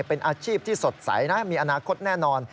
เป็นอาชีพที่สดใสนะมีอนาคตแน่นอน